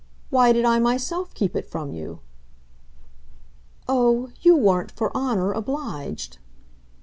"Why did I myself keep it from you?" "Oh, you weren't, for honour, obliged."